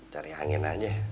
cari angin aja